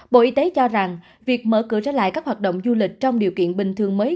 bộ y tế cho rằng việc mở cửa trở lại các hoạt động du lịch trong điều kiện bình thường mới